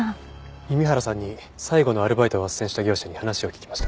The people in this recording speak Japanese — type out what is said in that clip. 弓原さんに最後のアルバイトを斡旋した業者に話を聞きました。